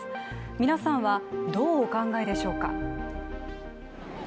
皆さんは、どうお考えでしょうか。